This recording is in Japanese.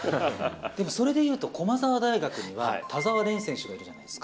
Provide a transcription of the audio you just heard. でもそれで言うと駒澤大学には、田澤廉選手がいるんです。